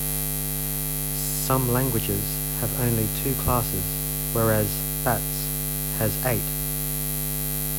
Some languages have only two classes, whereas Bats has eight.